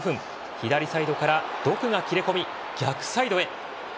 左サイドからドクが切れ込み逆サイドへ。